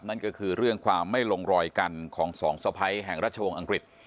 นั่นก็คือเรื่องความไม่ลงรอยกันของสองสะพ้ายแห่งราชวงศ์อังกฤษ